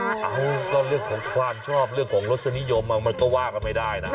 เอ้าก็เรื่องของความชอบเรื่องของรสนิยมมันก็ว่ากันไม่ได้นะ